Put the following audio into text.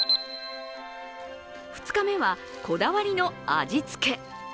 ２日目は、こだわりの味付け。